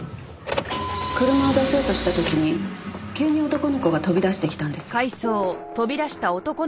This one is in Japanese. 車を出そうとした時に急に男の子が飛び出してきたんです。